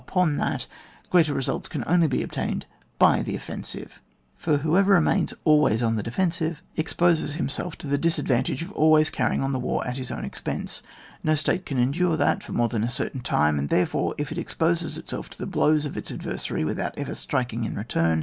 upon that, greater results can only be obtained by the offensive ; for whoever remains always on the defen 116 ON TTAR. siTe, exposes himself to the disadyantage of always carrying on the war at his own expense. No state can endure that for more than a certain time ; and therefore, if it exposes itself to the blows of its ad versary without ever striking in return.